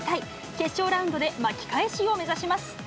決勝ラウンドで巻き返しを目指します。